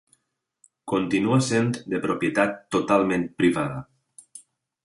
Continua sent de propietat totalment privada.